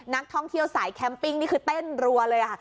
นักท่องเที่ยวสายแคมปิ้งนี่คือเต้นรัวเลยค่ะ